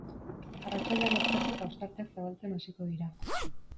Arratsaldean atertu eta ostarteak zabaltzen hasiko dira.